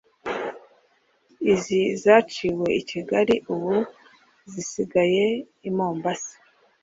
Izi zaciwe i Kigali ubu zisigaye i Mombasa